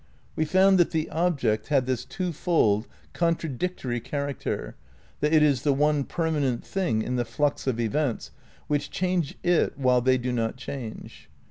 We found that the object had this two fold contradictory character that it is the one permanent thing in the flux of events, which change it while they do not change.